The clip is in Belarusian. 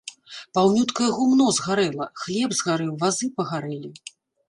Паўнюткае гумно згарэла, хлеб згарэў, вазы пагарэлі.